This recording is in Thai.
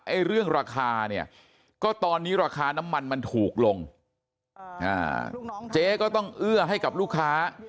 เรื่องราคาเนี่ยก็ตอนนี้ราคาน้ำมันมันถูกลงเจ๊ก็ต้องเอื้อให้กับลูกค้า